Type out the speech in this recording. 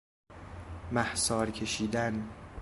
محصار کشیدن